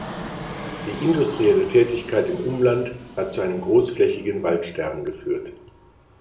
Die industrielle Tätigkeit im Umland hat zu einem großflächigen Waldsterben geführt.